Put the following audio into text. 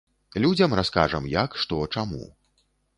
Людзям раскажам, як, што, чаму.